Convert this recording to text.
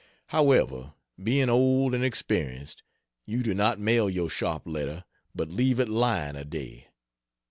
However, being old and experienced, you do not mail your sharp letter, but leave it lying a day.